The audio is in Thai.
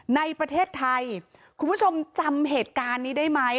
ในประเทศไทยคุณผู้ชมจำเหตุการณ์นี้ได้ไหม